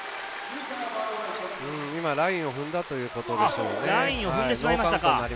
今、ラインを踏んだということでしょうね。